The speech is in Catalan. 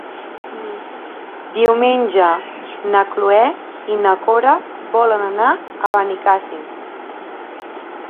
Diumenge na Cloè i na Cora volen anar a Benicàssim.